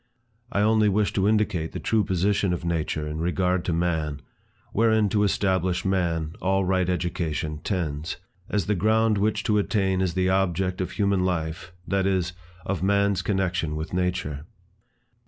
I only wish to indicate the true position of nature in regard to man, wherein to establish man, all right education tends; as the ground which to attain is the object of human life, that is, of man's connection with nature.